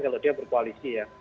kalau dia berkoalisi ya